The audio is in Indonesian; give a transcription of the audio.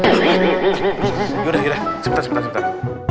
yaudah yaudah sebentar sebentar